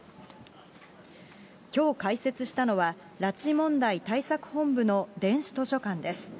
きょう開設したのは、拉致問題対策本部の電子図書館です。